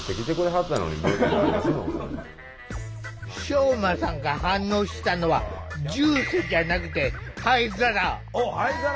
ショウマさんが反応したのはジュースじゃなくてあっ灰皿？